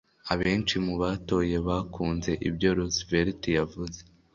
Abenshi mu batoye bakunze ibyo Roosevelt yavuze.